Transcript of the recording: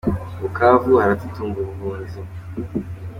Bukavu haratutumba ubuhunzi